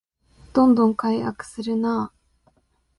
どんどん改悪するなあ